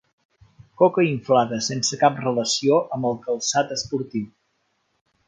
Coca inflada sense cap relació amb el calçat esportiu.